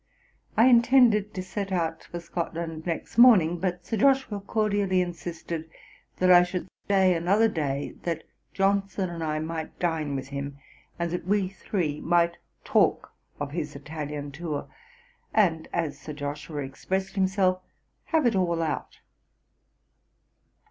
I intended to set out for Scotland next morning; but Sir Joshua cordially insisted that I should stay another day, that Johnson and I might dine with him, that we three might talk of his Italian Tour, and, as Sir Joshua expressed himself, 'have it all out.'